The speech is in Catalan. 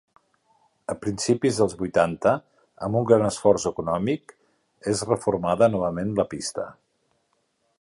A principis dels vuitanta, amb un gran esforç econòmic, és reformada novament la pista.